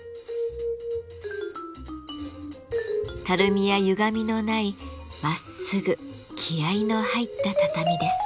たるみやゆがみのないまっすぐ気合いの入った畳です。